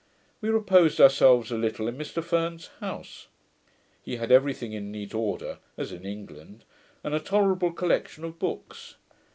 We reposed ourselves a little in Mr Ferne's house. He had every thing in neat order as in England; and a tolerable collection of books.